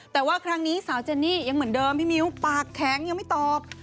แต่ว่าครั้งนี้สาวเจนนี่ยังเหมือนเดิมพี่มิ้วปากแข็งยังไม่ตอบ